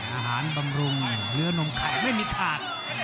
อาหารบำรุงเนื้อนมไข่ไม่มีขาด